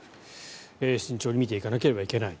慎重に見ていかなければいけない。